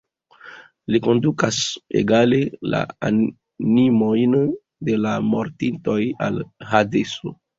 Li kondukas egale la animojn de la mortintoj al Hadeso.